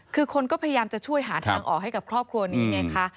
คือคนก็พยายามจะช่วยหาทางออกให้กับครอบครัวนี้ไงคะ